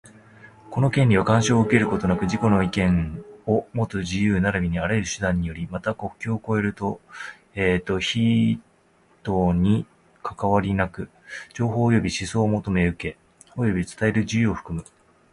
この権利は、干渉を受けることなく自己の意見をもつ自由並びにあらゆる手段により、また、国境を越えると否とにかかわりなく、情報及び思想を求め、受け、及び伝える自由を含む。